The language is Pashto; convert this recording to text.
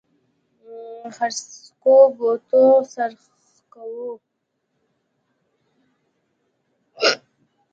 څرخکو بوته څرخکو.